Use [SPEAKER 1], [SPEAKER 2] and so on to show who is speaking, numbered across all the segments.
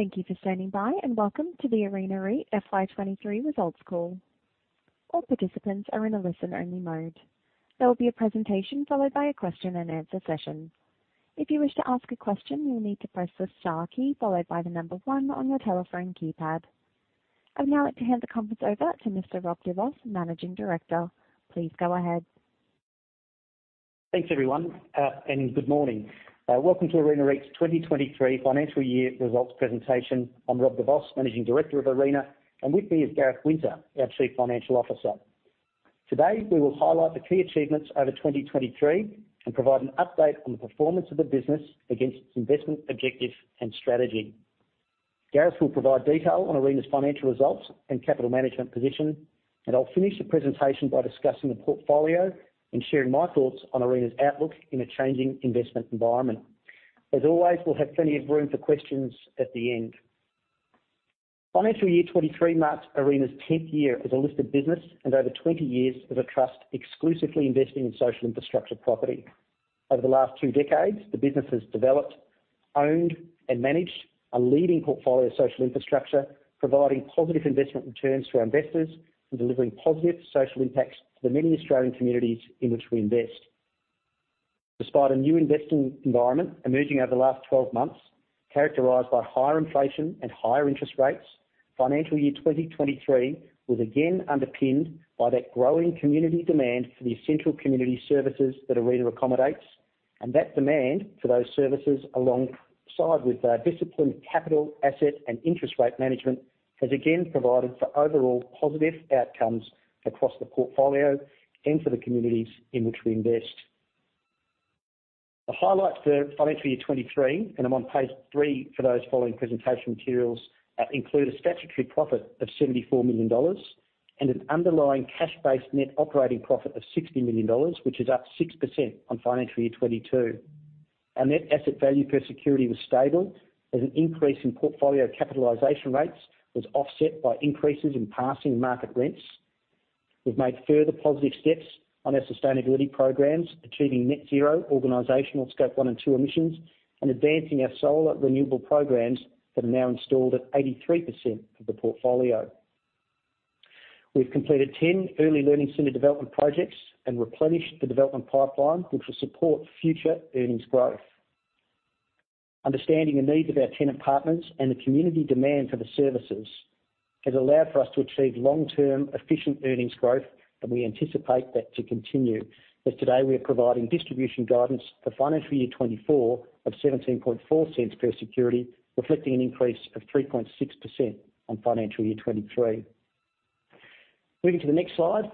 [SPEAKER 1] Thank you for standing by, and welcome to the Arena REIT FY 2023 results call. All participants are in a listen-only mode. There will be a presentation, followed by a question and answer session. If you wish to ask a question, you'll need to press the star key followed by the one on your telephone keypad. I'd now like to hand the conference over to Mr. Rob de Vos, Managing Director. Please go ahead.
[SPEAKER 2] Thanks, everyone, and good morning. Welcome to Arena REIT's 2023 financial year results presentation. I'm Rob de Vos, Managing Director of Arena, and with me is Gareth Winter, our Chief Financial Officer. Today, we will highlight the key achievements over 2023 and provide an update on the performance of the business against its investment objective and strategy. Gareth will provide detail on Arena's financial results and capital management position, and I'll finish the presentation by discussing the portfolio and sharing my thoughts on Arena's outlook in a changing investment environment. As always, we'll have plenty of room for questions at the end. Financial year 23 marks Arena's 10th year as a listed business, and over 20 years as a trust exclusively investing in social infrastructure property. Over the last two decades, the business has developed, owned, and managed a leading portfolio of social infrastructure, providing positive investment returns to our investors and delivering positive social impacts to the many Australian communities in which we invest. Despite a new investing environment emerging over the last 12 months, characterized by higher inflation and higher interest rates, financial year 2023 was again underpinned by that growing community demand for the essential community services that Arena accommodates. That demand for those services, alongside with disciplined capital, asset, and interest rate management, has again provided for overall positive outcomes across the portfolio and for the communities in which we invest. The highlights for financial year 2023, and I'm on page 3 for those following presentation materials, include a statutory profit of 74 million dollars, and an underlying cash-based net operating profit of 60 million dollars, which is up 6% on financial year 2022. Our net asset value per security was stable, as an increase in portfolio capitalization rates was offset by increases in passing market rents. We've made further positive steps on our sustainability programs, achieving net zero organizational Scope 1 and 2 emissions, and advancing our solar renewable programs that are now installed at 83% of the portfolio. We've completed 10 early learning center development projects and replenished the development pipeline, which will support future earnings growth. Understanding the needs of our tenant partners and the community demand for the services has allowed for us to achieve long-term, efficient earnings growth, and we anticipate that to continue, as today we are providing distribution guidance for financial year 2024 of 0.174 per security, reflecting an increase of 3.6% on financial year 2023. Moving to the next slide.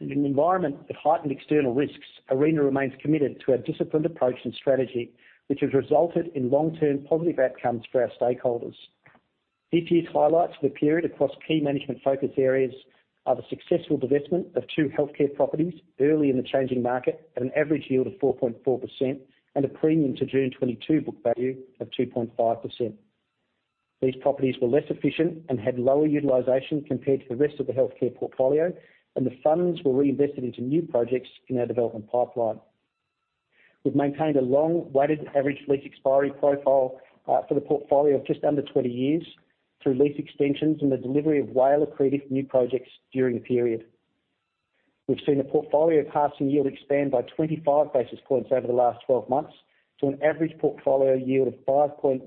[SPEAKER 2] In an environment of heightened external risks, Arena remains committed to our disciplined approach and strategy, which has resulted in long-term positive outcomes for our stakeholders. This year's highlights for the period across key management focus areas are the successful divestment of two healthcare properties early in the changing market at an average yield of 4.4% and a premium to June 2022 book value of 2.5%. These properties were less efficient and had lower utilization compared to the rest of the healthcare portfolio. The funds were reinvested into new projects in our development pipeline. We've maintained a long, weighted average lease expiry profile for the portfolio of just under 20 years, through lease extensions and the delivery of WALE-accretive new projects during the period. We've seen the portfolio passing yield expand by 25 basis points over the last 12 months, to an average portfolio yield of 5.16%.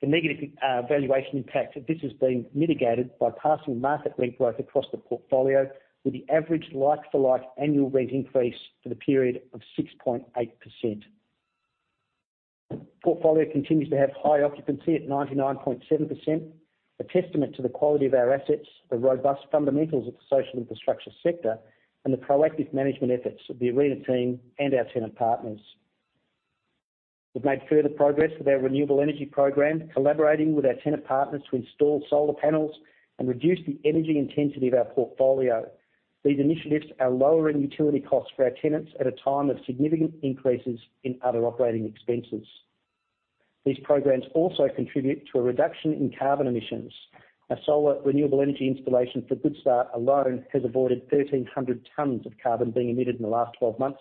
[SPEAKER 2] The negative valuation impact of this has been mitigated by passing market rent growth across the portfolio, with the average like-for-like annual rent increase for the period of 6.8%. The portfolio continues to have high occupancy at 99.7%, a testament to the quality of our assets, the robust fundamentals of the social infrastructure sector, and the proactive management efforts of the Arena team and our tenant partners. We've made further progress with our renewable energy program, collaborating with our tenant partners to install solar panels and reduce the energy intensity of our portfolio. These initiatives are lowering utility costs for our tenants at a time of significant increases in other OpEx. These programs also contribute to a reduction in carbon emissions. Our solar renewable energy installation for Goodstart alone has avoided 1,300 tons of carbon being emitted in the last 12 months,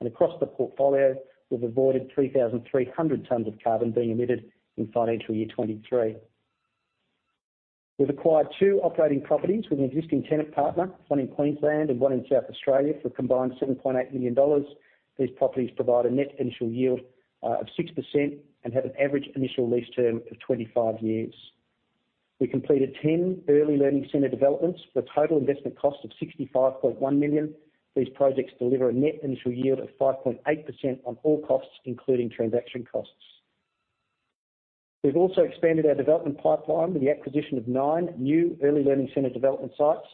[SPEAKER 2] and across the portfolio, we've avoided 3,300 tons of carbon being emitted in financial year 2023. We've acquired 2 operating properties with an existing tenant partner, one in Queensland and one in South Australia, for a combined 7.8 million dollars. These properties provide a net initial yield of 6% and have an average initial lease term of 25 years. We completed 10 early learning center developments for a total investment cost of 65.1 million. These projects deliver a net initial yield of 5.8% on all costs, including transaction costs. We've also expanded our development pipeline with the acquisition of 9 new early learning center development sites.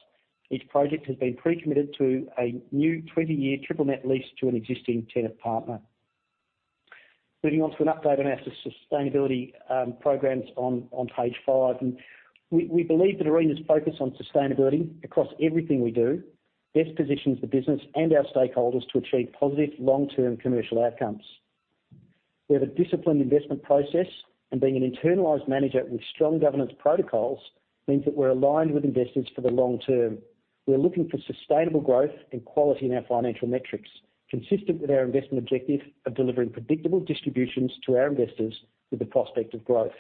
[SPEAKER 2] Each project has been pre-committed to a new 20-year triple net lease to an existing tenant partner. Moving on to an update on our sus- sustainability programs on page 5. We, we believe that Arena's focus on sustainability across everything we do, best positions the business and our stakeholders to achieve positive, long-term commercial outcomes. We have a disciplined investment process. Being an internalized manager with strong governance protocols means that we're aligned with investors for the long term.... We are looking for sustainable growth and quality in our financial metrics, consistent with our investment objective of delivering predictable distributions to our investors with the prospect of growth.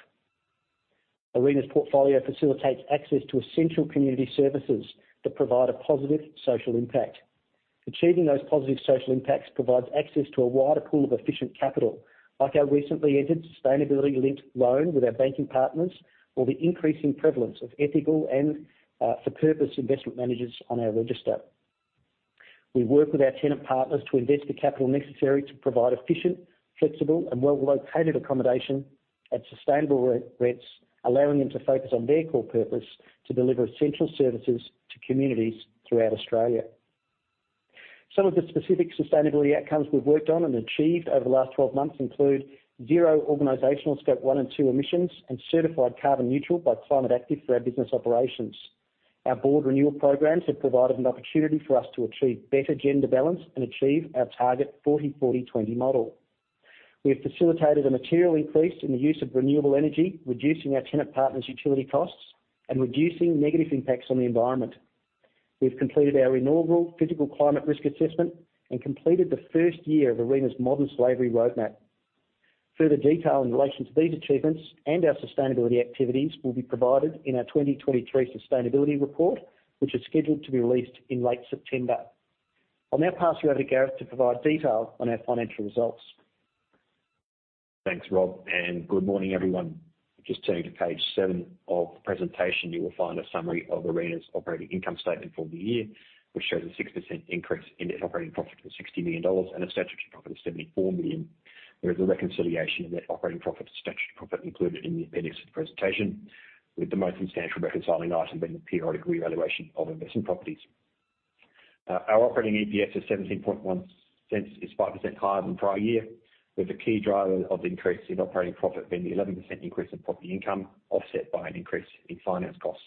[SPEAKER 2] Arena's portfolio facilitates access to essential community services that provide a positive social impact. Achieving those positive social impacts provides access to a wider pool of efficient capital, like our recently entered sustainability-linked loan with our banking partners, or the increasing prevalence of ethical and for-purpose investment managers on our register. We work with our tenant partners to invest the capital necessary to provide efficient, flexible, and well-located accommodation at sustainable re-rents, allowing them to focus on their core purpose to deliver essential services to communities throughout Australia. Some of the specific sustainability outcomes we've worked on and achieved over the last 12 months include zero organizational Scope 1 and 2 emissions, and certified carbon neutral by Climate Active for our business operations. Our board renewal programs have provided an opportunity for us to achieve better gender balance and achieve our target 40/40/20 model. We have facilitated a material increase in the use of renewable energy, reducing our tenant partners' utility costs and reducing negative impacts on the environment. We've completed our inaugural physical climate risk assessment and completed the first year of Arena's Modern Slavery Roadmap. Further detail in relation to these achievements and our sustainability activities will be provided in our 2023 sustainability report, which is scheduled to be released in late September. I'll now pass you over to Gareth to provide detail on our financial results.
[SPEAKER 3] Thanks, Rob, and good morning, everyone. Just turning to page 7 of the presentation, you will find a summary of Arena's operating income statement for the year, which shows a 6% increase in net operating profit of $60 million and a statutory profit of $74 million. There is a reconciliation of net operating profit and statutory profit included in the appendix of the presentation, with the most substantial reconciling item being the periodic revaluation of investment properties. Our operating EPS of $0.171 is 5% higher than prior year, with the key driver of the increase in operating profit being the 11% increase in property income, offset by an increase in finance costs.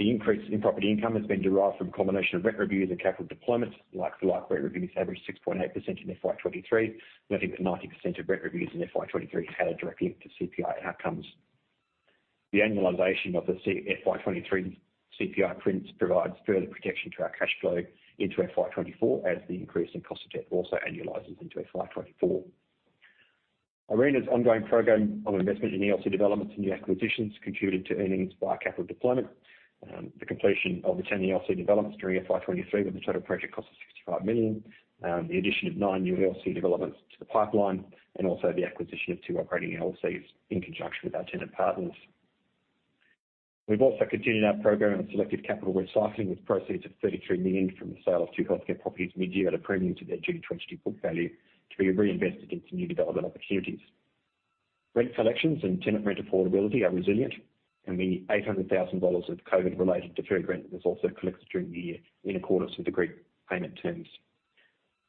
[SPEAKER 3] The increase in property income has been derived from a combination of rent reviews and capital deployments, like-for-like rent reviews averaged 6.8% in FY23, and I think that 90% of rent reviews in FY23 are tied directly to CPI outcomes. The annualization of the FY23 CPI prints provides further protection to our cash flow into FY24, as the increase in cost of debt also annualizes into FY24. Arena's ongoing program of investment in ELC developments and new acquisitions contributed to earnings by capital deployment, the completion of the 10 ELC developments during FY23, with a total project cost of 65 million, the addition of 9 new ELC developments to the pipeline, and also the acquisition of 2 operating ELCs in conjunction with our tenant partners. We've also continued our program of selective capital recycling, with proceeds of 33 million from the sale of two healthcare properties mid-year at a premium to their June 2022 book value, to be reinvested into new development opportunities. Rent collections and tenant rent affordability are resilient, and the 800,000 dollars of COVID-related deferred rent was also collected during the year in accordance with the agreed payment terms.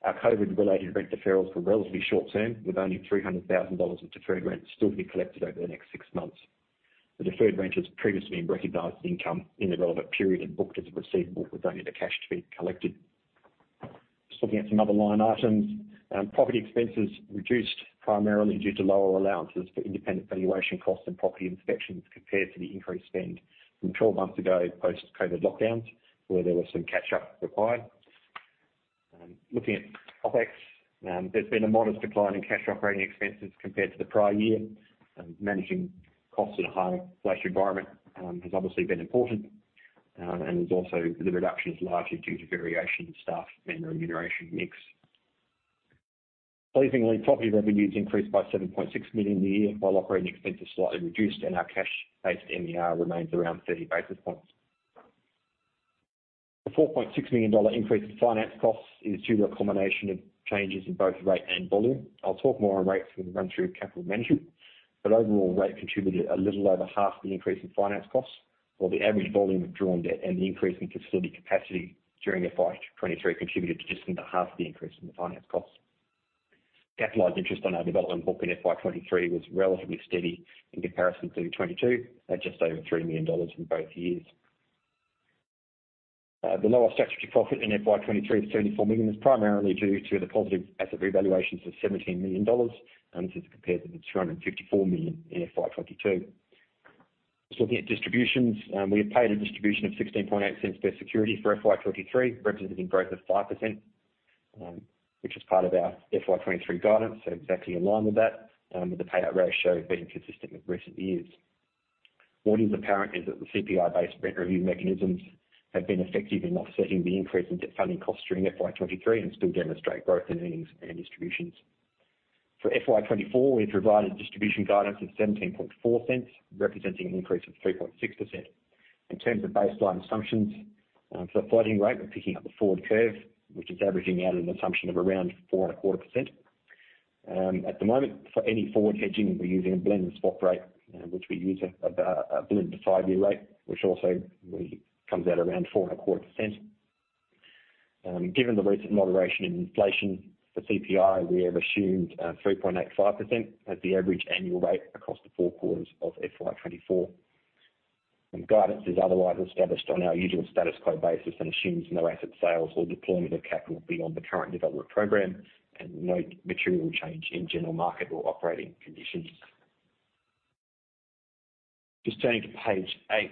[SPEAKER 3] Our COVID-related rent deferrals were relatively short-term, with only 300,000 dollars of deferred rent still to be collected over the next six months. The deferred rent has previously been recognized as income in the relevant period and booked as a receivable, with only the cash to be collected. Just looking at some other line items, property expenses reduced primarily due to lower allowances for independent valuation costs and property inspections, compared to the increased spend from 12 months ago post-COVID lockdowns, where there was some catch-up required. Looking at OpEx, there's been a modest decline in cash operating expenses compared to the prior year. Managing costs in a higher inflation environment has obviously been important, the reduction is largely due to variation in staff and the remuneration mix. Pleasingly, property revenues increased by 7.6 million a year, while operating expenses slightly reduced, and our cash-based NER remains around 30 basis points. The 4.6 million dollar increase in finance costs is due to a combination of changes in both rate and volume. I'll talk more on rates when we run through capital management, but overall, rate contributed a little over half the increase in finance costs, while the average volume of drawn debt and the increase in facility capacity during FY 2023 contributed to just under half the increase in the finance cost. Capitalized interest on our development book in FY 2023 was relatively steady in comparison to 2022, at just over 3 million dollars in both years. The lower statutory profit in FY 2023 of 34 million dollars was primarily due to the positive asset revaluations of 17 million dollars, and this is compared to the 254 million in FY 2022. Just looking at distributions, we have paid a distribution of 0.168 per security for FY 2023, representing growth of 5%, which is part of our FY 2023 guidance, so exactly in line with that, with the payout ratio being consistent with recent years. What is apparent is that the CPI-based rent review mechanisms have been effective in offsetting the increase in debt funding costs during FY 2023, and still demonstrate growth in earnings and distributions. For FY 2024, we've provided distribution guidance of 0.174, representing an increase of 3.6%. In terms of baseline assumptions, for the floating rate, we're picking up the forward curve, which is averaging out an assumption of around 4.25%. At the moment, for any forward hedging, we're using a blended swap rate, which we use a blend of the 5-year rate, which also really comes out around 4.25%. Given the recent moderation in inflation, for CPI, we have assumed 3.85% as the average annual rate across the 4 quarters of FY 2024. Guidance is otherwise established on our usual status quo basis and assumes no asset sales or deployment of capital beyond the current development program and no material change in general market or operating conditions. Just turning to page 8,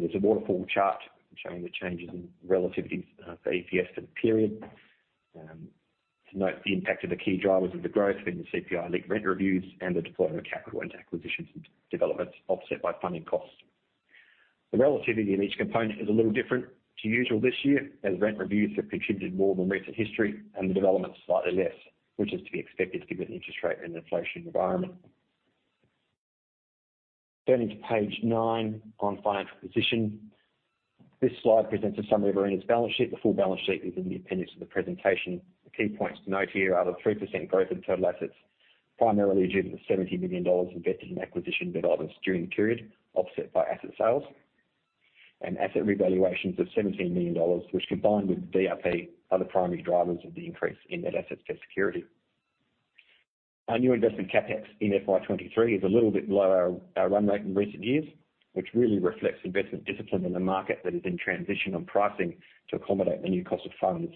[SPEAKER 3] there's a waterfall chart showing the changes in relativity for EPS for the period. To note the impact of the key drivers of the growth in the CPI linked rent reviews and the deployment of capital into acquisitions and developments, offset by funding costs. The relativity in each component is a little different to usual this year, as rent reviews have contributed more than recent history and the development slightly less, which is to be expected given the interest rate and inflation environment. Turning to page nine on financial position. This slide presents a summary of Arena's balance sheet. The full balance sheet is in the appendix of the presentation. The key points to note here are the 3% growth in total assets, primarily due to the 70 million dollars in debt and acquisition developments during the period, offset by asset sales and asset revaluations of 17 million dollars, which, combined with DRP, are the primary drivers of the increase in net assets per security. Our new investment CapEx in FY 2023 is a little bit below our, our run rate in recent years, which really reflects investment discipline in the market that is in transition on pricing to accommodate the new cost of funds.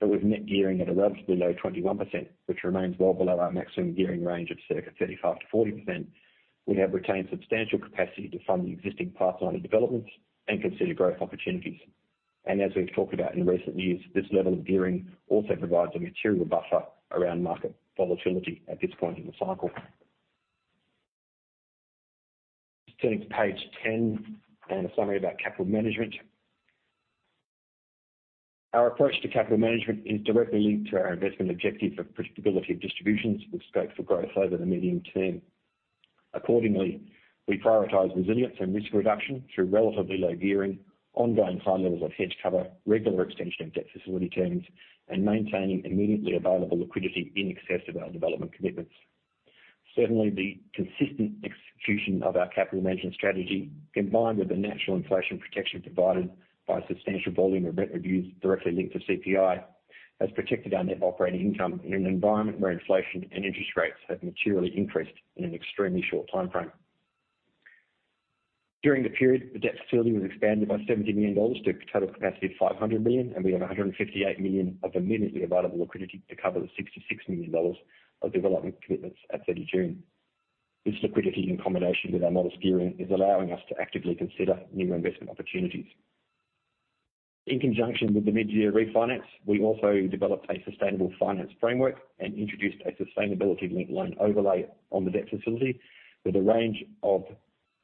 [SPEAKER 3] With net gearing at a relatively low 21%, which remains well below our maximum gearing range of circa 35%-40%, we have retained substantial capacity to fund the existing pipeline of developments and consider growth opportunities. As we've talked about in recent years, this level of gearing also provides a material buffer around market volatility at this point in the cycle. Turning to page 10 and a summary about capital management. Our approach to capital management is directly linked to our investment objective of predictability of distributions, with scope for growth over the medium term. Accordingly, we prioritize resilience and risk reduction through relatively low gearing, ongoing high levels of hedge cover, regular extension of debt facility terms, and maintaining immediately available liquidity in excess of our development commitments. Certainly, the consistent execution of our capital management strategy, combined with the natural inflation protection provided by a substantial volume of rent reviews directly linked to CPI, has protected our net operating income in an environment where inflation and interest rates have materially increased in an extremely short timeframe. During the period, the debt facility was expanded by 70 million dollars to a total capacity of 500 million, and we have 158 million of immediately available liquidity to cover the 66 million dollars of development commitments at 30 June. This liquidity, in combination with our modest gearing, is allowing us to actively consider new investment opportunities. In conjunction with the mid-year refinance, we also developed a Sustainable Finance Framework and introduced a sustainability-linked loan overlay on the debt facility with a range of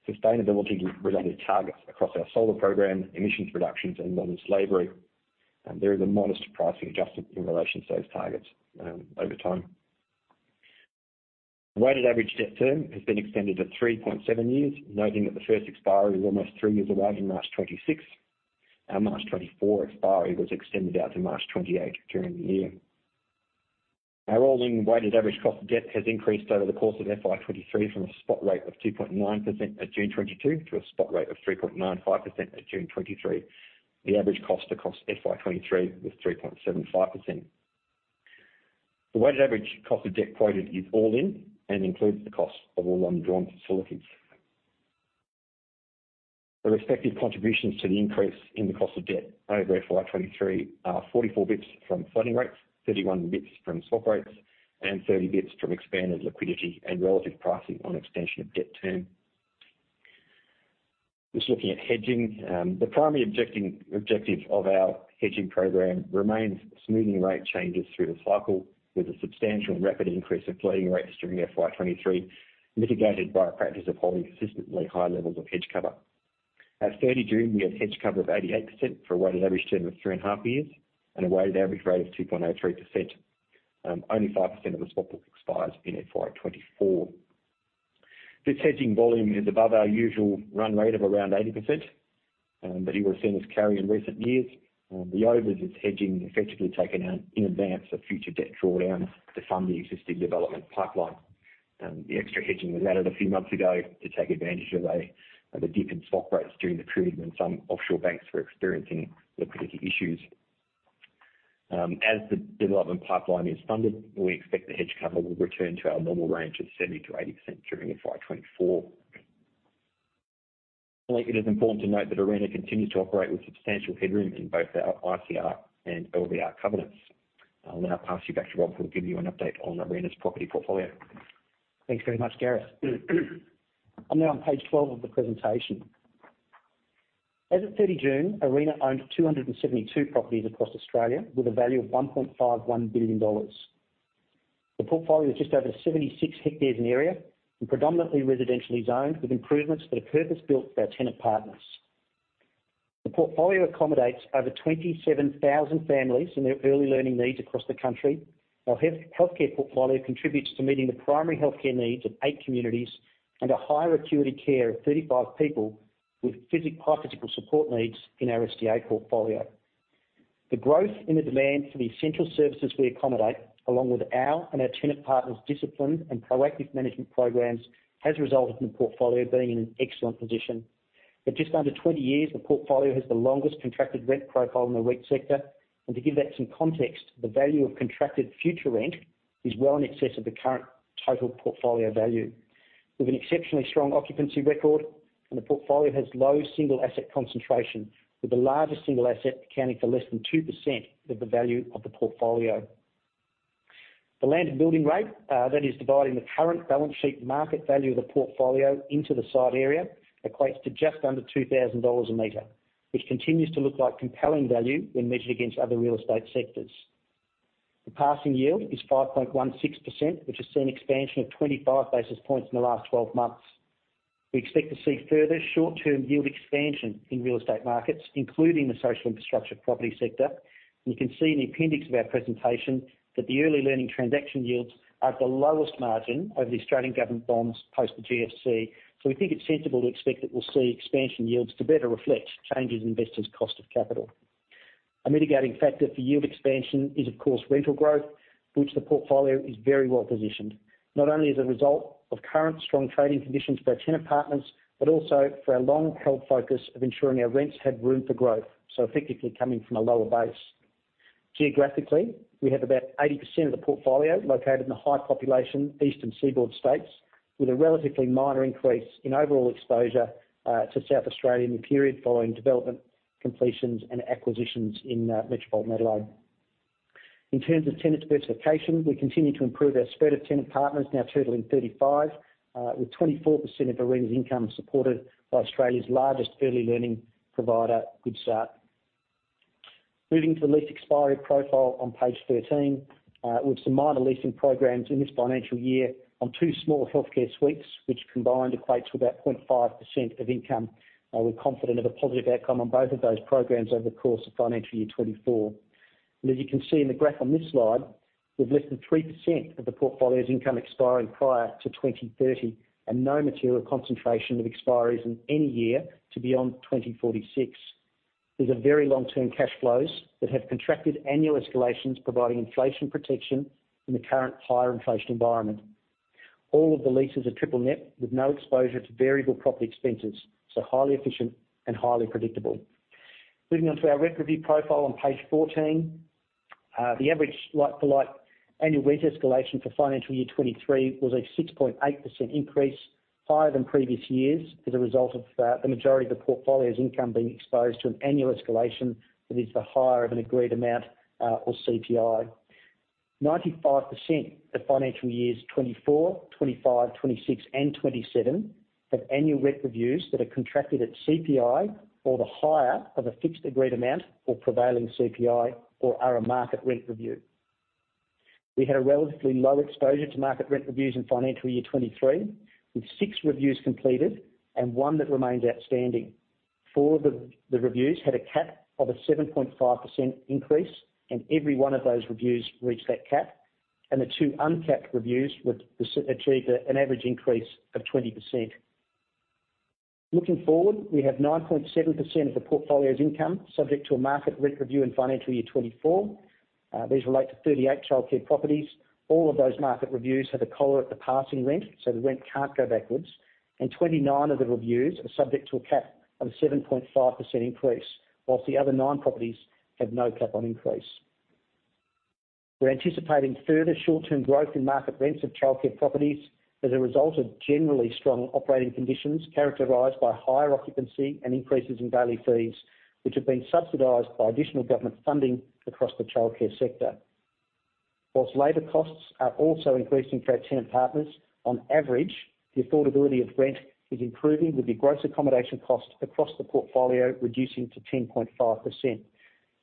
[SPEAKER 3] sustainability-related targets across our solar program, emissions reductions, and Modern Slavery. There is a modest pricing adjustment in relation to those targets over time. Weighted average debt term has been extended to 3.7 years, noting that the first expiry was almost 3 years away, in March 2026. Our March 2024 expiry was extended out to March 2028 during the year. Our rolling weighted average cost of debt has increased over the course of FY2023 from a spot rate of 2.9% at June 2022, to a spot rate of 3.95% at June 2023. The average cost across FY2023 was 3.75%. The weighted average cost of debt quoted is all-in and includes the cost of all undrawn facilities. The respective contributions to the increase in the cost of debt over FY2023 are 44 basis points from floating rates, 31 basis points from swap rates, and 30 basis points from expanded liquidity and relative pricing on extension of debt term. Just looking at hedging, the primary objective of our hedging program remains smoothing rate changes through the cycle, with a substantial rapid increase in floating rates during FY 2023, mitigated by a practice of holding consistently high levels of hedge cover. At 30 June, we had hedge cover of 88% for a weighted average term of three and a half years, and a weighted average rate of 2.03%. Only 5% of the swap book expires in FY 2024. This hedging volume is above our usual run rate of around 80% that you will have seen us carry in recent years. The overages hedging effectively taken out in advance of future debt drawdowns to fund the existing development pipeline. The extra hedging was added a few months ago to take advantage of the dip in swap rates during the period when some offshore banks were experiencing liquidity issues. As the development pipeline is funded, we expect the hedge cover will return to our normal range of 70%-80% during the FY 2024. It is important to note that Arena continues to operate with substantial headroom in both our ICR and LVR covenants. I'll now pass you back to Rob, who will give you an update on Arena's property portfolio.
[SPEAKER 2] Thanks very much, Gareth. I'm now on page 12 of the presentation. As of 30 June, Arena owned 272 properties across Australia, with a value of 1.51 billion dollars. The portfolio is just over 76 hectares in area and predominantly residentially zoned, with improvements that are purpose-built for our tenant partners. The portfolio accommodates over 27,000 families in their early learning needs across the country. Our health, healthcare portfolio contributes to meeting the primary healthcare needs of 8 communities and a higher acuity care of 35 people with high physical support needs in our SDA portfolio. The growth in the demand for the essential services we accommodate, along with our and our tenant partners' discipline and proactive management programs, has resulted in the portfolio being in an excellent position. At just under 20 years, the portfolio has the longest contracted rent profile in the REIT sector. To give that some context, the value of contracted future rent is well in excess of the current total portfolio value. With an exceptionally strong occupancy record, the portfolio has low single asset concentration, with the largest single asset accounting for less than 2% of the value of the portfolio. The land and building rate, that is dividing the current balance sheet market value of the portfolio into the site area, equates to just under 2,000 dollars a meter, which continues to look like compelling value when measured against other real estate sectors. The passing yield is 5.16%, which has seen expansion of 25 basis points in the last 12 months. We expect to see further short-term yield expansion in real estate markets, including the social infrastructure property sector. You can see in the appendix of our presentation, that the early learning transaction yields are at the lowest margin over the Australian government bonds post the GFC. We think it's sensible to expect that we'll see expansion yields to better reflect changes in investors' cost of capital. A mitigating factor for yield expansion is, of course, rental growth, which the portfolio is very well positioned, not only as a result of current strong trading conditions for our tenant partners, but also for our long-held focus of ensuring our rents have room for growth, so effectively coming from a lower base. Geographically, we have about 80% of the portfolio located in the high population Eastern Seaboard states, with a relatively minor increase in overall exposure to South Australia in the period following development, completions, and acquisitions in metropolitan Adelaide. In terms of tenant diversification, we continue to improve our spread of tenant partners, now totaling 35, with 24% of Arena's income supported by Australia's largest early learning provider, Goodstart. Moving to the lease expiry profile on page 13, with some minor leasing programs in this financial year on 2 small healthcare suites, which combined equates to about 0.5% of income. We're confident of a positive outcome on both of those programs over the course of financial year 2024. As you can see in the graph on this slide, with less than 3% of the portfolio's income expiring prior to 2030, and no material concentration of expiries in any year to beyond 2046. These are very long-term cash flows that have contracted annual escalations, providing inflation protection in the current higher inflation environment. All of the leases are triple net, with no exposure to variable property expenses, so highly efficient and highly predictable. Moving on to our rent review profile on page 14. The average like-for-like annual rent escalation for financial year 2023 was a 6.8% increase, higher than previous years, as a result of the majority of the portfolio's income being exposed to an annual escalation that is the higher of an agreed amount, or CPI. 95% of financial years 2024, 2025, 2026, and 2027, have annual rent reviews that are contracted at CPI or the higher of a fixed agreed amount, or prevailing CPI, or are a market rent review. We had a relatively low exposure to market rent reviews in financial year 2023, with 6 reviews completed and 1 that remains outstanding. 4 of the reviews had a cap of a 7.5% increase, and every 1 of those reviews reached that cap, and the 2 uncapped reviews would achieve an average increase of 20%. Looking forward, we have 9.7% of the portfolio's income subject to a market rent review in financial year 2024. These relate to 38 childcare properties. All of those market reviews have a collar at the passing rent, so the rent can't go backwards, and 29 of the reviews are subject to a cap of a 7.5% increase, whilst the other 9 properties have no cap on increase. We're anticipating further short-term growth in market rents of childcare properties as a result of generally strong operating conditions, characterized by higher occupancy and increases in daily fees, which have been subsidized by additional government funding across the childcare sector. Whilst labor costs are also increasing for our tenant partners, on average, the affordability of rent is improving, with the gross accommodation cost across the portfolio reducing to 10.5%.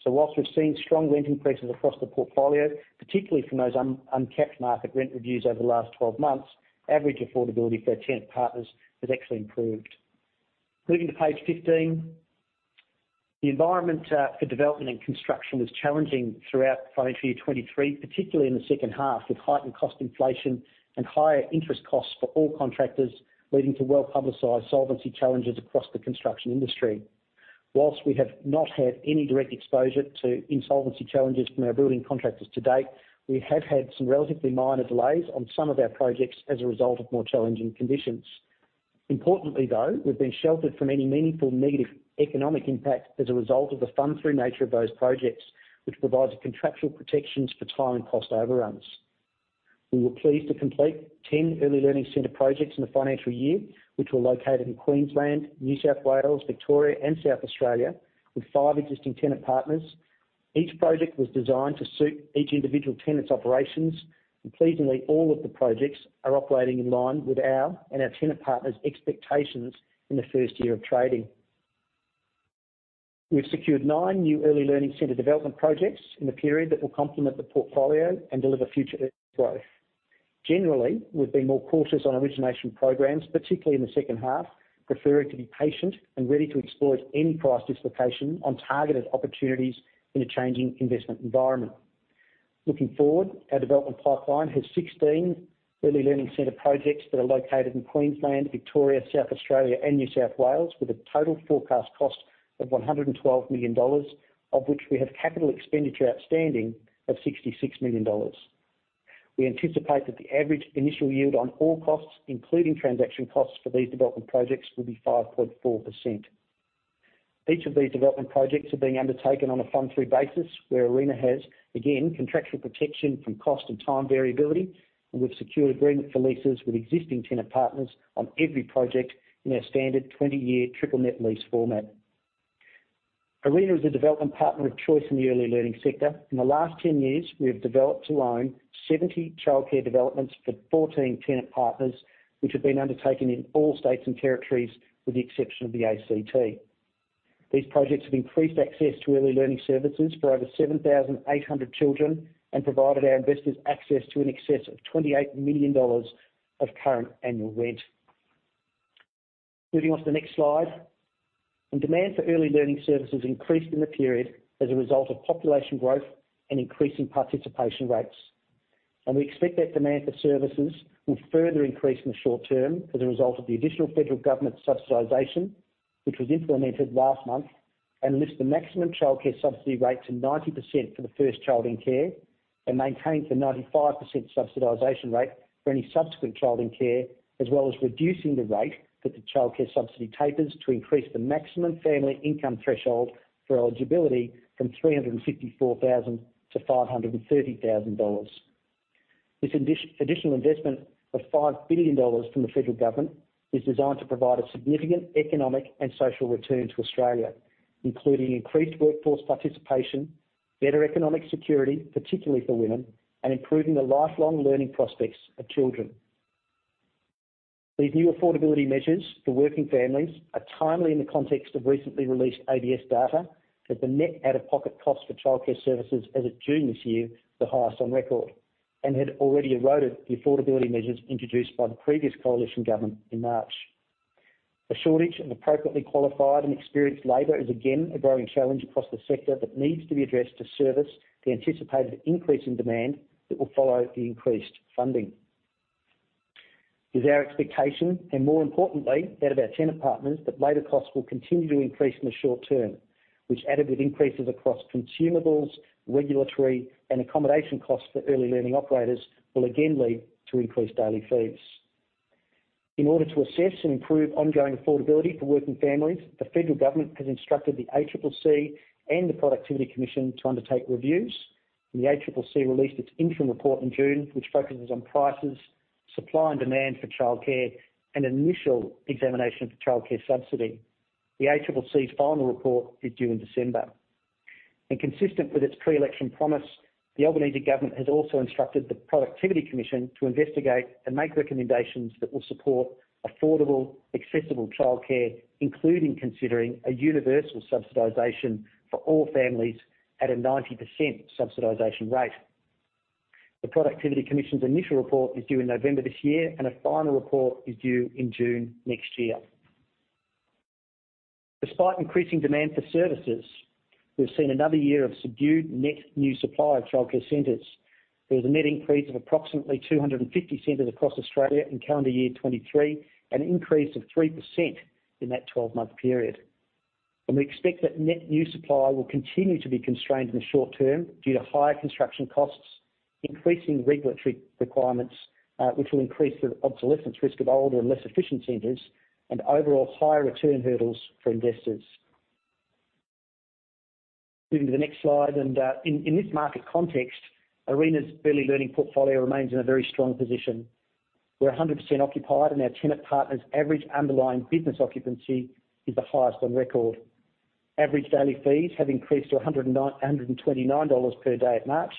[SPEAKER 2] Whilst we've seen strong rent increases across the portfolio, particularly from those uncapped market rent reviews over the last 12 months, average affordability for our tenant partners has actually improved. Moving to page 15. The environment for development and construction was challenging throughout financial year 23, particularly in the second half, with heightened cost inflation and higher interest costs for all contractors, leading to well-publicized solvency challenges across the construction industry. Whilst we have not had any direct exposure to insolvency challenges from our building contractors to date, we have had some relatively minor delays on some of our projects as a result of more challenging conditions. Importantly, though, we've been sheltered from any meaningful negative economic impact as a result of the fund-through nature of those projects, which provides contractual protections for time and cost overruns. We were pleased to complete 10 early learning center projects in the financial year, which were located in Queensland, New South Wales, Victoria, and South Australia, with 5 existing tenant partners. Each project was designed to suit each individual tenant's operations. Pleasingly, all of the projects are operating in line with our and our tenant partners' expectations in the first year of trading. We've secured 9 new early learning center development projects in the period that will complement the portfolio and deliver future growth. Generally, we've been more cautious on origination programs, particularly in the second half, preferring to be patient and ready to exploit any price dislocation on targeted opportunities in a changing investment environment. Looking forward, our development pipeline has 16 early learning center projects that are located in Queensland, Victoria, South Australia, and New South Wales, with a total forecast cost of 112 million dollars, of which we have capital expenditure outstanding of 66 million dollars. We anticipate that the average initial yield on all costs, including transaction costs for these development projects, will be 5.4%. Each of these development projects are being undertaken on a fund-through basis, where Arena has, again, contractual protection from cost and time variability, and we've secured agreement for leases with existing tenant partners on every project in our standard 20-year triple net lease format. Arena is a development partner of choice in the early learning sector. In the last 10 years, we have developed to own 70 childcare developments for 14 tenant partners, which have been undertaken in all states and territories, with the exception of the ACT. These projects have increased access to early learning services for over 7,800 children, and provided our investors access to in excess of 28 million dollars of current annual rent. Moving on to the next slide. Demand for early learning services increased in the period as a result of population growth and increasing participation rates. We expect that demand for services will further increase in the short term as a result of the additional federal government subsidization, which was implemented last month, and lists the maximum Child Care Subsidy rate to 90% for the first child in care, and maintains a 95% subsidization rate for any subsequent child in care, as well as reducing the rate that the Child Care Subsidy tapers to increase the maximum family income threshold for eligibility from 354,000 to 530,000 dollars. This additional investment of 5 billion dollars from the federal government is designed to provide a significant economic and social return to Australia, including increased workforce participation, better economic security, particularly for women, and improving the lifelong learning prospects of children. These new affordability measures for working families are timely in the context of recently released ABS data, that the net out-of-pocket cost for childcare services as of June this year, is the highest on record, and had already eroded the affordability measures introduced by the previous Coalition government in March. A shortage of appropriately qualified and experienced labor is again, a growing challenge across the sector that needs to be addressed to service the anticipated increase in demand that will follow the increased funding. It is our expectation, and more importantly, that of our tenant partners, that labor costs will continue to increase in the short term, which added with increases across consumables, regulatory, and accommodation costs for early learning operators, will again lead to increased daily fees. In order to assess and improve ongoing affordability for working families, the federal government has instructed the ACCC and the Productivity Commission to undertake reviews. The ACCC released its interim report in June, which focuses on prices, supply and demand for childcare, and initial examination for Child Care Subsidy. The ACCC's final report is due in December. Consistent with its pre-election promise, the Albanese government has also instructed the Productivity Commission to investigate and make recommendations that will support affordable, accessible childcare, including considering a universal subsidization for all families at a 90% subsidization rate. The Productivity Commission's initial report is due in November this year, and a final report is due in June next year. Despite increasing demand for services, we've seen another year of subdued net new supply of childcare centers, with a net increase of approximately 250 centers across Australia in calendar year 2023, an increase of 3% in that 12-month period. We expect that net new supply will continue to be constrained in the short term due to higher construction costs, increasing regulatory requirements, which will increase the obsolescence risk of older and less efficient centers, and overall higher return hurdles for investors. Moving to the next slide, in this market context, Arena's early learning portfolio remains in a very strong position. We're 100% occupied, and our tenant partners' average underlying business occupancy is the highest on record. Average daily fees have increased to $129 per day at March,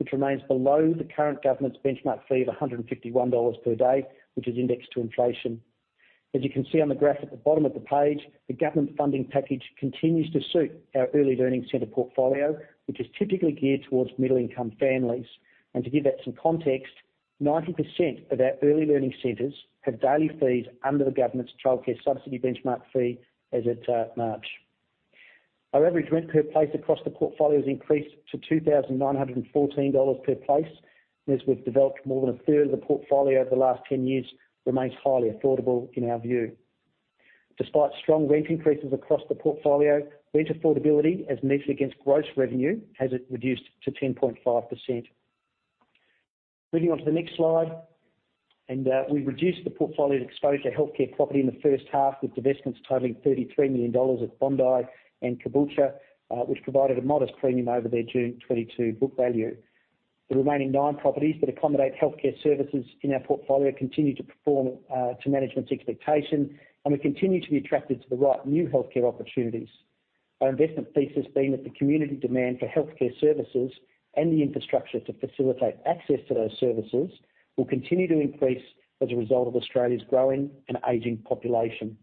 [SPEAKER 2] which remains below the current government's benchmark fee of $151 per day, which is indexed to inflation. As you can see on the graph at the bottom of the page, the government funding package continues to suit our early learning center portfolio, which is typically geared towards middle-income families. To give that some context, 90% of our early learning centers have daily fees under the government's Child Care Subsidy benchmark fee as at March. Our average rent per place across the portfolio has increased to 2,914 dollars per place, and as we've developed, more than a third of the portfolio over the last 10 years, remains highly affordable in our view. Despite strong rent increases across the portfolio, rent affordability, as measured against gross revenue, has it reduced to 10.5%. Moving on to the next slide, we've reduced the portfolio's exposure to healthcare property in the first half, with divestments totaling 33 million dollars at Bondi and Caboolture, which provided a modest premium over their June 2022 book value. The remaining nine properties that accommodate healthcare services in our portfolio continue to perform to management's expectation, and we continue to be attracted to the right new healthcare opportunities. Our investment thesis being that the community demand for healthcare services and the infrastructure to facilitate access to those services, will continue to increase as a result of Australia's growing and aging population.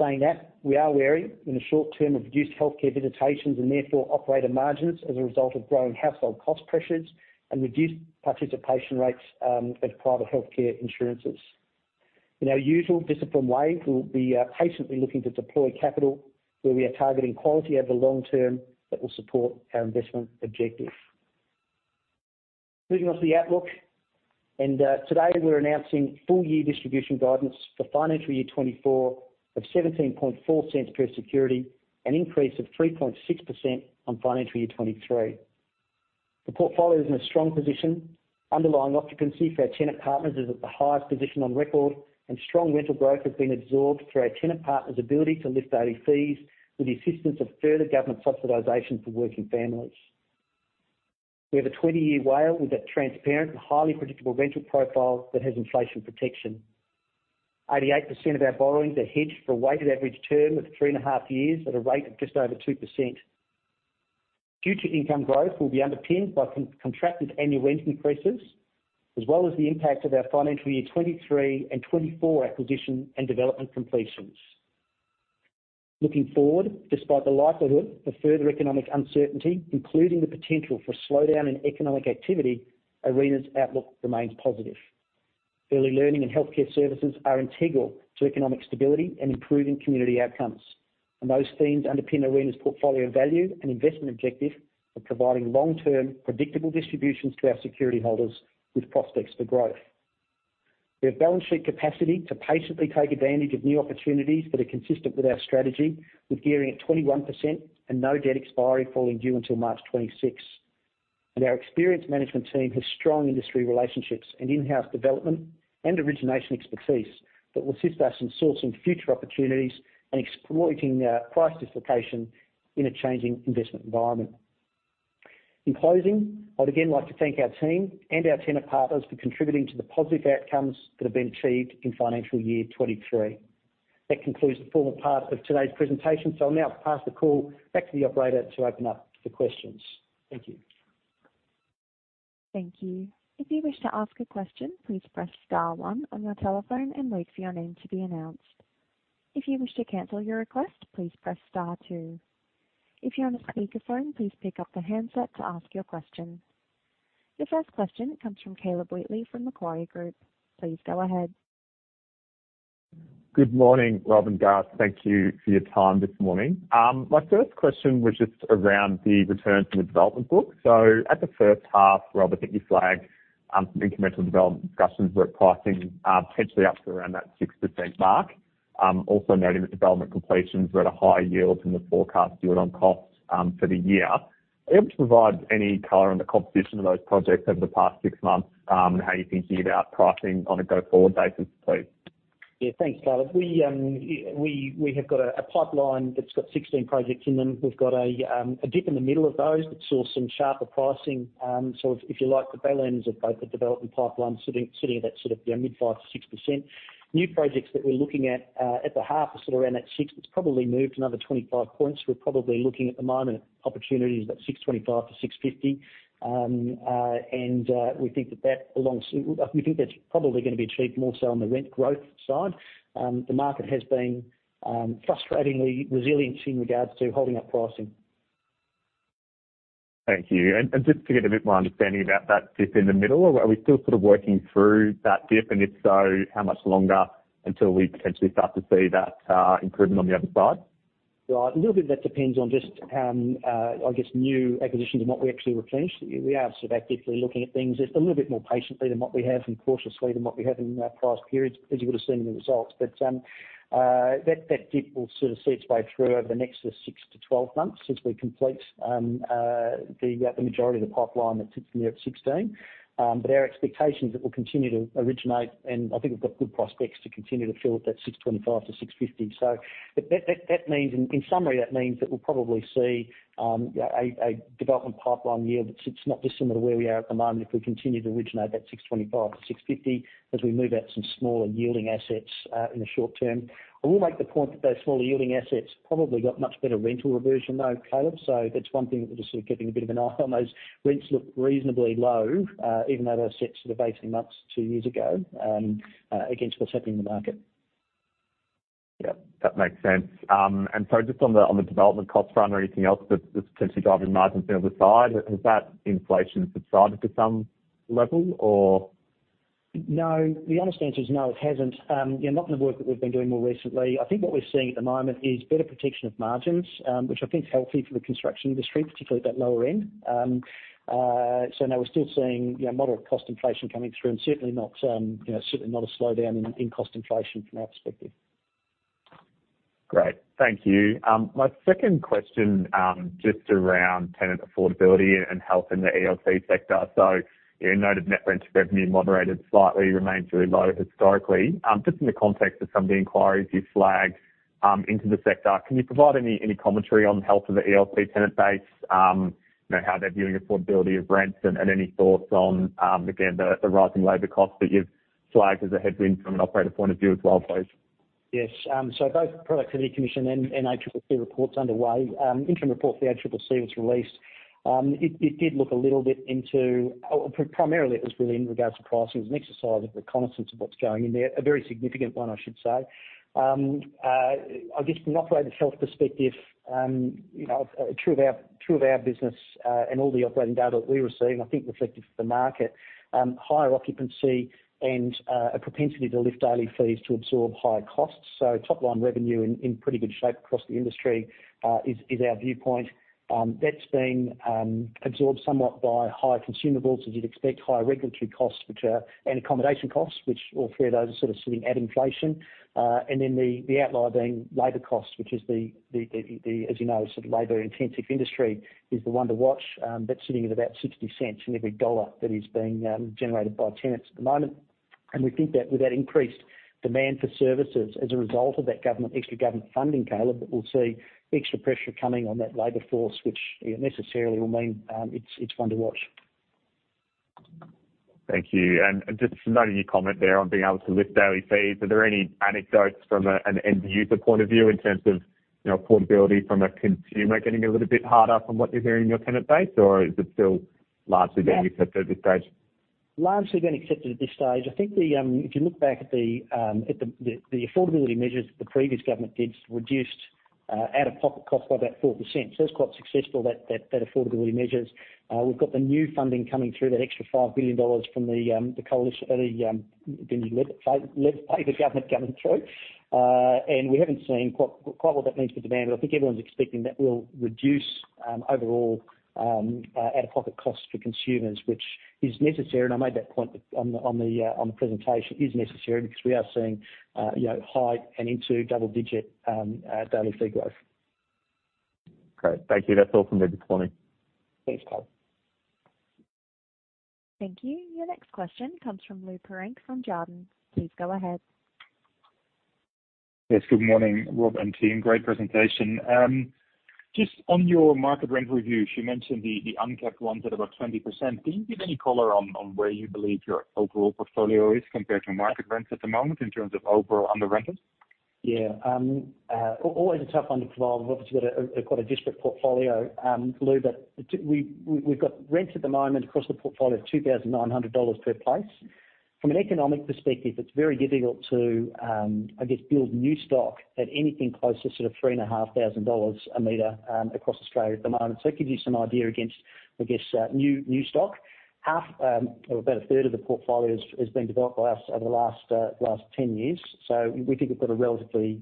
[SPEAKER 2] Saying that, we are wary in the short term of reduced healthcare visitations and therefore, operator margins as a result of growing household cost pressures and reduced participation rates of private healthcare insurances. In our usual disciplined way, we'll be patiently looking to deploy capital where we are targeting quality over the long term that will support our investment objective. Moving on to the outlook. Today we're announcing full-year distribution guidance for financial year 2024 of 0.174 per security, an increase of 3.6% on financial year 2023. The portfolio is in a strong position. Underlying occupancy for our tenant partners is at the highest position on record, and strong rental growth has been absorbed through our tenant partners' ability to lift daily fees, with the assistance of further government subsidization for working families. We have a 20-year WALE with a transparent and highly predictable rental profile that has inflation protection. 88% of our borrowings are hedged for a weighted average term of 3.5 years at a rate of just over 2%. Future income growth will be underpinned by contracted annual rent increases, as well as the impact of our financial year 2023 and 2024 acquisition and development completions. Looking forward, despite the likelihood of further economic uncertainty, including the potential for a slowdown in economic activity, Arena's outlook remains positive. Early learning and healthcare services are integral to economic stability and improving community outcomes, and those themes underpin Arena's portfolio of value and investment objective of providing long-term, predictable distributions to our security holders with prospects for growth. We have balance sheet capacity to patiently take advantage of new opportunities that are consistent with our strategy, with gearing at 21% and no debt expiry falling due until March 2026. Our experienced management team has strong industry relationships and in-house development and origination expertise that will assist us in sourcing future opportunities and exploiting price dislocation in a changing investment environment. In closing, I'd again like to thank our team and our tenant partners for contributing to the positive outcomes that have been achieved in financial year 2023. That concludes the formal part of today's presentation. I'll now pass the call back to the operator to open up for questions. Thank you.
[SPEAKER 1] Thank you. If you wish to ask a question, please press star one on your telephone and wait for your name to be announced. If you wish to cancel your request, please press star two. If you're on a speakerphone, please pick up the handset to ask your question. The first question comes from Caleb Wheatley from Macquarie Group. Please go ahead.
[SPEAKER 4] Good morning, Rob and Gareth. Thank you for your time this morning. My first question was just around the return from the development book. At the first half, Rob, I think you flagged some incremental development discussions where pricing potentially up to around that 6% mark. Also noting that development completions were at a higher yield than the forecast yield on cost for the year. Are you able to provide any color on the composition of those projects over the past six months, and how you're thinking about pricing on a go-forward basis, please?
[SPEAKER 2] Yeah, thanks, Caleb. We have got a pipeline that's got 16 projects in them. We've got a dip in the middle of those that saw some sharper pricing. If you like, the tail ends of both the development pipeline sitting at that sort of, yeah, mid 5%-6%. New projects that we're looking at at the half are sort of around that 6. It's probably moved another 25 points. We're probably looking at the moment at opportunities at 6.25-6.50. We think that belongs. We think that's probably gonna be achieved more so on the rent growth side. The market has been frustratingly resilient in regards to holding up pricing.
[SPEAKER 4] Thank you. Just to get a bit more understanding about that dip in the middle, are we still sort of working through that dip? If so, how much longer until we potentially start to see that improvement on the other side?
[SPEAKER 2] Well, a little bit of that depends on just, I guess, new acquisitions and what we actually replenish. We are sort of actively looking at things just a little bit more patiently than what we have and cautiously than what we have in the past periods, as you would have seen in the results. That, that dip will sort of see its way through over the next 6 to 12 months as we complete the majority of the pipeline that sits in the year at 16. Our expectations that we'll continue to originate, and I think we've got good prospects to continue to fill at that 6.25%-6.50%. That means, in summary, that means that we'll probably see a development pipeline yield that sits not dissimilar to where we are at the moment if we continue to originate that 6.25%-6.50%, as we move out some smaller yielding assets in the short term. I will make the point that those smaller yielding assets probably got much better rental reversion, though, Caleb, so that's one thing that we're just sort of keeping a bit of an eye on. Those rents look reasonably low, even though they were set sort of 18 months, 2 years ago, against what's happening in the market.
[SPEAKER 4] Yep, that makes sense. Just on the, on the development cost front or anything else that's, that's potentially driving margins the other side, has that inflation subsided to some level or?
[SPEAKER 2] No. The honest answer is no, it hasn't. Yeah, not in the work that we've been doing more recently. I think what we're seeing at the moment is better protection of margins, which I think is healthy for the construction industry, particularly at that lower end. No, we're still seeing, you know, moderate cost inflation coming through and certainly not, you know, certainly not a slowdown in, in cost inflation from our perspective.
[SPEAKER 4] Great. Thank you. My second question, just around tenant affordability and, and health in the ELC sector. You noted net rent revenue moderated slightly, remains really low historically. Just in the context of some of the inquiries you flagged, into the sector, can you provide any, any commentary on the health of the ELC tenant base? You know, how they're viewing affordability of rents and, and any thoughts on, again, the, the rising labor costs that you've flagged as a headwind from an operator point of view as well, please?
[SPEAKER 2] Yes. Both Productivity Commission and ACCC reports underway. Interim reports for the ACCC was released. It did look a little bit into. Primarily, it was really in regards to pricing. It was an exercise of reconnaissance of what's going in there, a very significant one, I should say. I guess from an operator health perspective, you know, true of our business, and all the operating data that we receive, I think reflective of the market, higher occupancy and a propensity to lift daily fees to absorb higher costs. Top line revenue in pretty good shape across the industry, is our viewpoint. That's been absorbed somewhat by higher consumables, as you'd expect, higher regulatory costs, and accommodation costs, which all three of those are sort of sitting at inflation. Then the outlier being labor costs, which is the as you know, sort of labor-intensive industry is the one to watch. That's sitting at about 0.60 in every AUD 1 that is being generated by tenants at the moment. We think that with that increased demand for services as a result of that government, extra government funding, Caleb, that we'll see extra pressure coming on that labor force, which, you know, necessarily will mean, it's, it's one to watch.
[SPEAKER 4] Thank you. Just noting your comment there on being able to lift daily fees, are there any anecdotes from a, an end user point of view in terms of, you know, affordability from a consumer getting a little bit harder from what you're hearing in your tenant base? Or is it still largely being accepted at this stage?
[SPEAKER 2] Largely being accepted at this stage. I think the, if you look back at the, at the, the, the affordability measures that the previous government did reduced out-of-pocket cost by about 40%. That's quite successful, that, that, that affordability measures. We've got the new funding coming through, that extra 5 billion dollars from the Coalition, or the Labor government coming through. We haven't seen quite, quite what that means for demand, but I think everyone's expecting that will reduce overall out-of-pocket costs for consumers, which is necessary. I made that point on the, on the, on the presentation. It is necessary because we are seeing, you know, high and into double-digit daily fee growth.
[SPEAKER 4] Great. Thank you. That's all from me this morning.
[SPEAKER 2] Thanks, Caleb.
[SPEAKER 1] Thank you. Your next question comes from Lou Pirenc from Jarden. Please go ahead.
[SPEAKER 5] Yes. Good morning, Rob and team. Great presentation. Just on your market rent review, you mentioned the uncapped ones at about 20%. Can you give any color on where you believe your overall portfolio is compared to market rents at the moment in terms of overall under rentals?
[SPEAKER 2] Yeah. Always a tough one to provide. We've obviously got a quite a disparate portfolio, Lou Pirenc, but we've got rent at the moment across the portfolio of 2,900 dollars per place. From an economic perspective, it's very difficult to, I guess, build new stock at anything closer to sort of 3,500 a meter across Australia at the moment. It gives you some idea against, I guess, new stock. Half or about a third of the portfolio has been developed by us over the last 10 years. We think we've got a relatively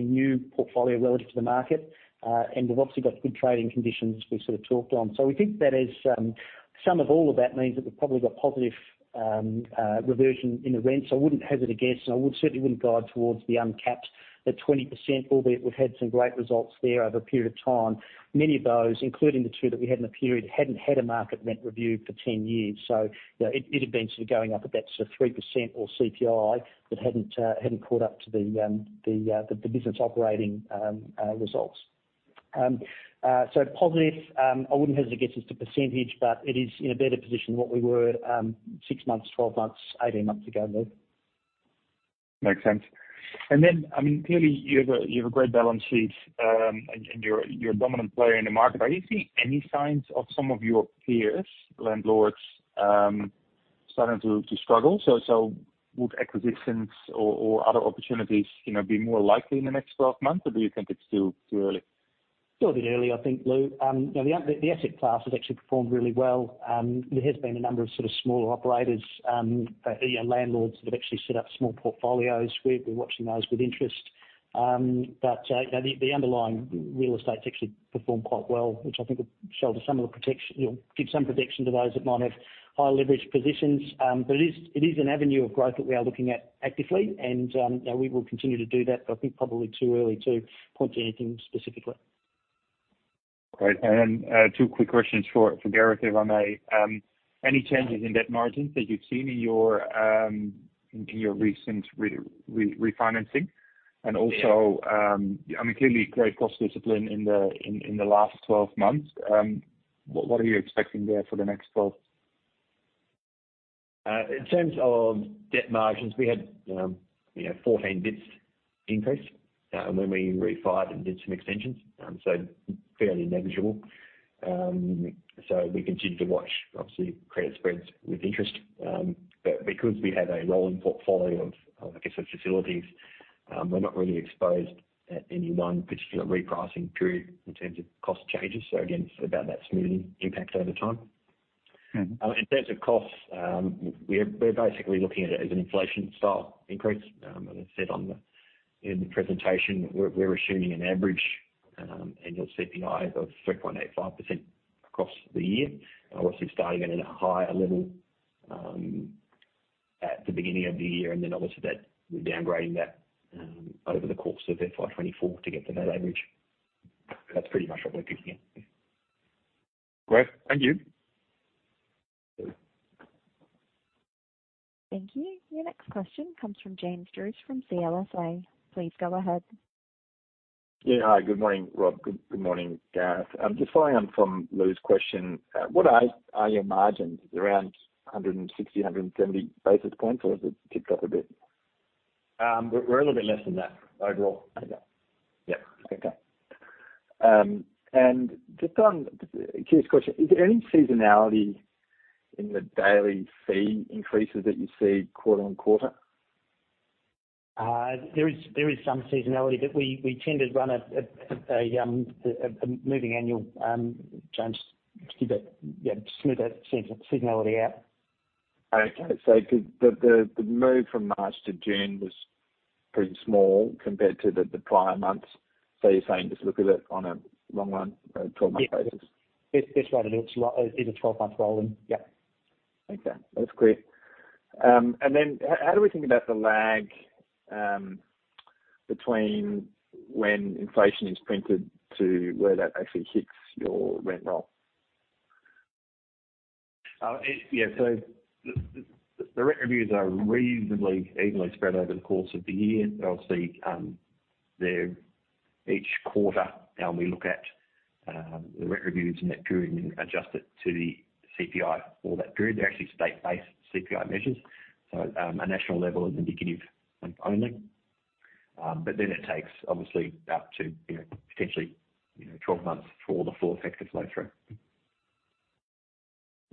[SPEAKER 2] new portfolio relative to the market. We've obviously got good trading conditions we sort of talked on. We think that is, sum of all of that means that we've probably got positive reversion in the rents. I wouldn't hesitate to guess, and I would certainly wouldn't guide towards the uncapped, the 20%, albeit we've had some great results there over a period of time. Many of those, including the two that we had in the period, hadn't had a market rent review for 10 years, so, you know, it, it had been sort of going up at about sort of 3% or CPI, that hadn't caught up to the business operating results. Positive, I wouldn't hesitate to guess as to percentage, but it is in a better position than what we were 6 months, 12 months, 18 months ago, Lou.
[SPEAKER 5] Makes sense. Then, I mean, clearly, you have a, you have a great balance sheet, and, and you're, you're a dominant player in the market. Are you seeing any signs of some of your peers, landlords, starting to, to struggle? So would acquisitions or, or other opportunities, you know, be more likely in the next 12 months, or do you think it's still too early?
[SPEAKER 2] Still a bit early, I think, Lou. You know, the asset class has actually performed really well. There has been a number of sort of smaller operators, you know, landlords that have actually set up small portfolios. We've been watching those with interest. You know, the underlying real estate's actually performed quite well, which I think would shelter some of the You know, give some protection to those that might have higher leverage positions. It is, it is an avenue of growth that we are looking at actively, and, you know, we will continue to do that, but I think probably too early to point to anything specifically.
[SPEAKER 5] Great. Then, two quick questions for, for Gareth, if I may. Any changes in debt margins that you've seen in your, in your recent re-re-refinancing?
[SPEAKER 2] Yeah.
[SPEAKER 5] Also, I mean, clearly great cost discipline in the last 12 months. What, what are you expecting there for the next 12?
[SPEAKER 3] In terms of debt margins, we had, you know, 14 basis points increase, when we refied and did some extensions, so fairly negligible. We continue to watch, obviously, credit spreads with interest. But because we have a rolling portfolio of, I guess, of facilities, we're not really exposed at any one particular repricing period in terms of cost changes. Again, it's about that smoothing impact over time.
[SPEAKER 5] Mm-hmm.
[SPEAKER 3] In terms of costs, we're basically looking at it as an inflation style increase. As I said on the, in the presentation, we're assuming an average annual CPI of 3.85% across the year. Obviously, starting at a higher level at the beginning of the year, and then obviously that we're downgrading that over the course of FY 2024 to get to that average. That's pretty much what we're looking at.
[SPEAKER 5] Great. Thank you.
[SPEAKER 3] Thank you.
[SPEAKER 1] Thank you. Your next question comes from James Druce from CLSA. Please go ahead.
[SPEAKER 6] Yeah. Hi, good morning, Rob. Good, good morning, Gareth. Just following on from Lou's question, what are your margins around 160-170 basis points, or has it ticked up a bit?
[SPEAKER 3] We're, we're a little bit less than that overall.
[SPEAKER 6] Okay. Yep. Okay. Just on a curious question, is there any seasonality in the daily fee increases that you see quarter on quarter?
[SPEAKER 2] There is, there is some seasonality that we, we tend to run at, at, at a, a moving annual, James, to smooth that seasonality out.
[SPEAKER 6] Okay. The move from March to June was pretty small compared to the prior months. You're saying, just look at it on a long run, 12-month basis?
[SPEAKER 2] Yeah. That's, that's right. It looks like it's a 12-month rolling. Yeah.
[SPEAKER 6] Okay, that's clear. How, how do we think about the lag between when inflation is printed to where that actually hits your rent roll?
[SPEAKER 2] Yeah, the, the rent reviews are reasonably evenly spread over the course of the year. Obviously, they're each quarter, we look at the rent reviews in that period and adjust it to the CPI for that period. They're actually state-based CPI measures, a national level is indicative only. Then it takes obviously up to, you know, potentially, you know, 12 months for the full effect to flow through.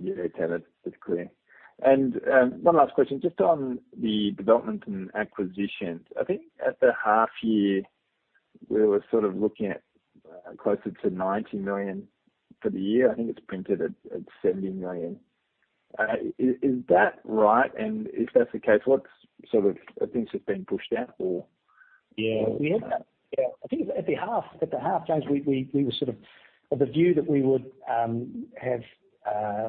[SPEAKER 6] Yeah, okay, that's, that's clear. One last question, just on the development and acquisitions. I think at the half year, we were sort of looking at, closer to 90 million for the year. I think it's printed at, at 70 million. Is, is that right? If that's the case, what's sort of are things that have been pushed out or-
[SPEAKER 2] Yeah. Yeah. I think at the half, at the half, James, we, we, we were sort of of the view that we would have,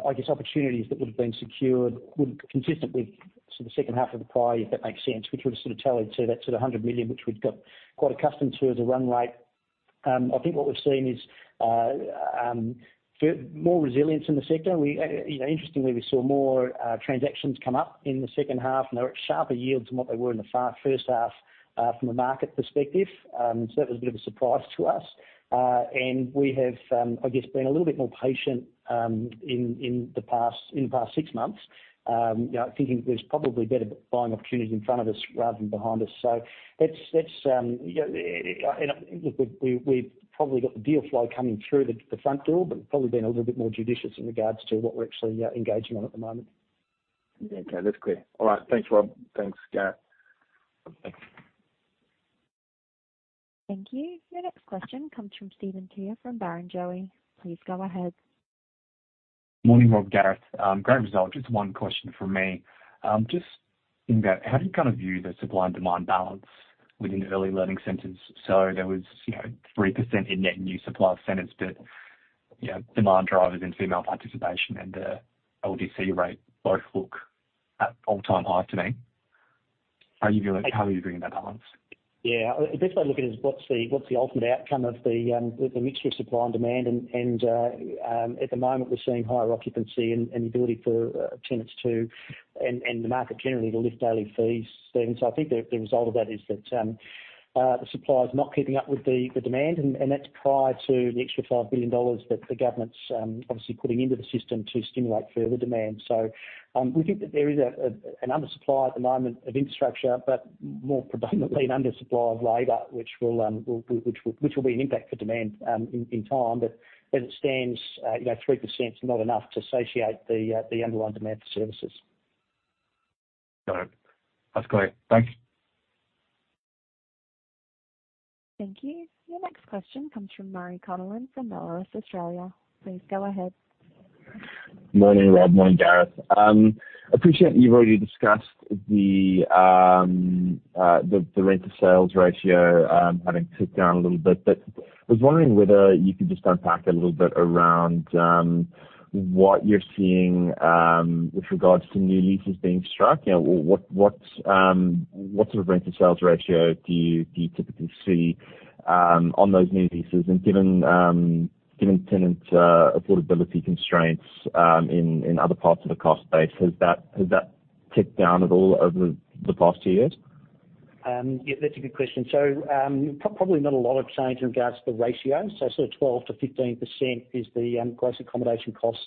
[SPEAKER 2] I guess opportunities that would have been secured would consistently to the second half of the prior, if that makes sense, which would have sort of tallied to that, to the 100 million, which we've got quite accustomed to as a run rate. I think what we've seen is more resilience in the sector. We, you know, interestingly, we saw more transactions come up in the second half, and they were at sharper yields than what they were in the far first half, from a market perspective. That was a bit of a surprise to us. We have, I guess, been a little bit more patient, in, in the past, in the past six months, you know, thinking there's probably better buying opportunities in front of us rather than behind us. That's, that's, you know, and look, we've, we've probably got the deal flow coming through the, the front door, but probably been a little bit more judicious in regards to what we're actually, engaging on at the moment.
[SPEAKER 6] Okay, that's clear. All right. Thanks, Rob. Thanks, Gareth.
[SPEAKER 2] Thanks.
[SPEAKER 1] Thank you. Your next question comes from Stephen Tria from Barrenjoey. Please go ahead.
[SPEAKER 7] Morning, Rob, Gareth. Great result. Just one question from me. Just in that, how do you kind of view the supply and demand balance within the early learning centers? There was, you know, 3% in net new supply of centers, but, you know, demand drivers and female participation and the LDC rate both look at all-time high to me. How are you viewing, how are you viewing that balance?
[SPEAKER 2] Yeah, the best way to look at it is what's the, what's the ultimate outcome of the, the mixture of supply and demand? At the moment, we're seeing higher occupancy and, and the ability for, tenants to... and, and the market generally to lift daily fees, Stephen. I think the, the result of that is that, the supply is not keeping up with the, the demand, and, and that's prior to the extra 5 billion dollars that the government's, obviously putting into the system to stimulate further demand. We think that there is an undersupply at the moment of infrastructure, but more predominantly an undersupply of labor, which will be an impact for demand, in time. As it stands, you know, 3% is not enough to satiate the, the underlying demand for services.
[SPEAKER 7] Got it. That's great. Thank you.
[SPEAKER 1] Thank you. Your next question comes from Murray Connell from Bell Potter, Australia. Please go ahead.
[SPEAKER 8] Morning, Rob. Morning, Gareth. appreciate you've already discussed the, the, the rent to sales ratio, having ticked down a little bit. I was wondering whether you could just unpack a little bit around, what you're seeing, with regards to new leases being struck. You know, what, what, what sort of rent to sales ratio do you, do you typically see, on those new leases? Given, given tenants, affordability constraints, in, in other parts of the cost base, has that, has that ticked down at all over the past 2 years?
[SPEAKER 2] Yeah, that's a good question. Probably not a lot of change in regards to the ratio. Sort of 12%-15% is the gross accommodation cost.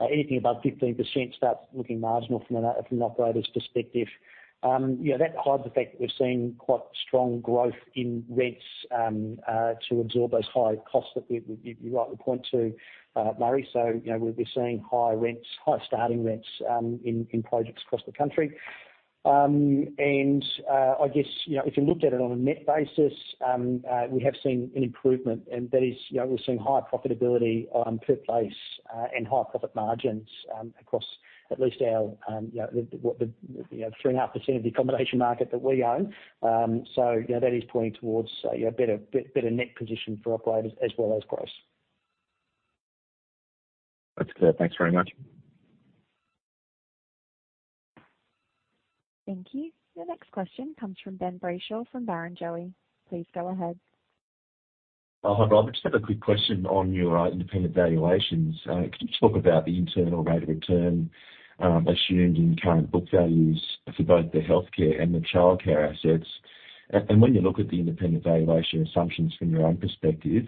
[SPEAKER 2] Anything above 15% starts looking marginal from an operator's perspective. You know, that hides the fact that we're seeing quite strong growth in rents to absorb those higher costs that we, you rightly point to, Murray. You know, we're seeing higher rents, higher starting rents in projects across the country. I guess, you know, if you looked at it on a net basis, we have seen an improvement, and that is, you know, we're seeing higher profitability, per place, and higher profit margins, across at least our, you know, what the, you know, 3.5% of the accommodation market that we own. You know, that is pointing towards, you know, better, better net position for operators as well as gross.
[SPEAKER 8] That's clear. Thanks very much.
[SPEAKER 1] Thank you. The next question comes from Ben Brayshaw, from Barrenjoey. Please go ahead.
[SPEAKER 9] Hi, Rob. I just have a quick question on your independent valuations. Can you talk about the internal rate of return assumed in current book values for both the healthcare and the childcare assets? When you look at the independent valuation assumptions from your own perspective,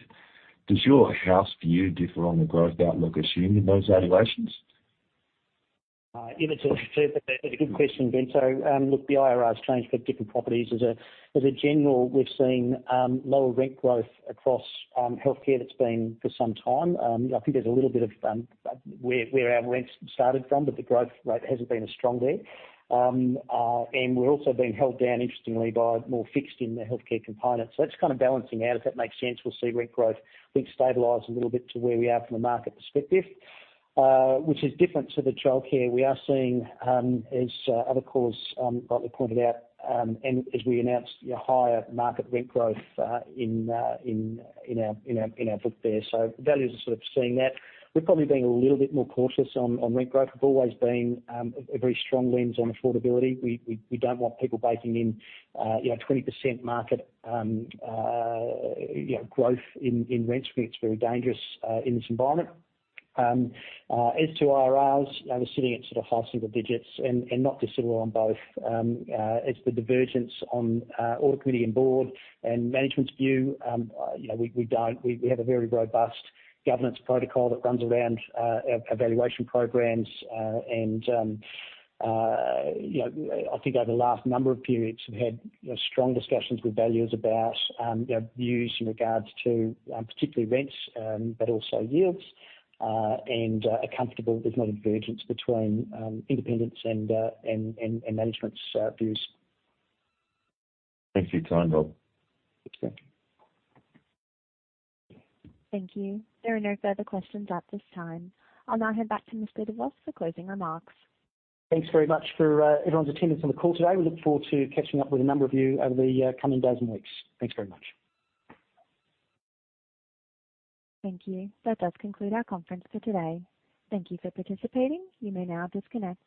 [SPEAKER 9] does your house view differ on the growth outlook assumed in those valuations?
[SPEAKER 2] Yeah, that's a good question, Ben Brayshaw. Look, the IRR change for different properties. As a, as a general, we've seen lower rent growth across healthcare that's been for some time. I think there's a little bit of where, where our rents started from, but the growth rate hasn't been as strong there. We're also being held down, interestingly, by more fixed in the healthcare component. That's kind of balancing out, if that makes sense. We'll see rent growth, which stabilized a little bit to where we are from a market perspective, which is different to the childcare. We are seeing, as other calls rightly pointed out, and as we announced, you know, higher market rent growth in, in, in our, in our, in our book there. Valuers are sort of seeing that. We're probably being a little bit more cautious on rent growth. We've always been a very strong lens on affordability. We, we, we don't want people baking in, you know, 20% market, you know, growth in rents. We think it's very dangerous in this environment. As to IRR, we're sitting at sort of high single digits and not dissimilar on both. It's the divergence on audit committee and board and management's view, you know, we, we have a very robust governance protocol that runs around our valuation programs. You know, I think over the last number of periods, we've had, you know, strong discussions with valuers about their views in regards to particularly rents, but also yields, and are comfortable there's not a divergence between independents and management's views.
[SPEAKER 9] Thanks for your time, Rob. Thank you.
[SPEAKER 1] Thank you. There are no further questions at this time. I'll now head back to Mr. de Vos for closing remarks.
[SPEAKER 2] Thanks very much for everyone's attendance on the call today. We look forward to catching up with a number of you over the coming days and weeks. Thanks very much.
[SPEAKER 1] Thank you. That does conclude our conference for today. Thank you for participating. You may now disconnect.